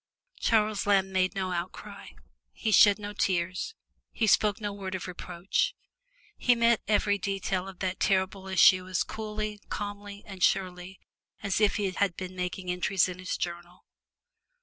Charles Lamb made no outcry, he shed no tears, he spoke no word of reproach. He met each detail of that terrible issue as coolly, calmly and surely as if he had been making entries in his journal.